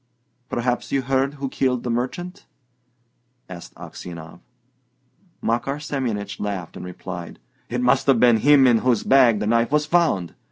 "Perhaps you heard who killed the merchant?" asked Aksionov. Makar Semyonich laughed, and replied: "It must have been him in whose bag the knife was found!